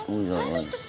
ui dồi ôi